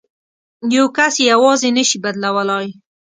یو کس یې یوازې نه شي بدلولای.